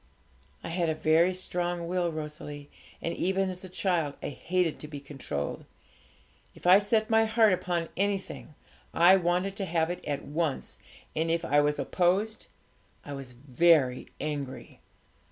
'I had a very strong will, Rosalie, and even as a child I hated to be controlled. If I set my heart upon anything, I wanted to have it at once, and if I was opposed, I was very angry.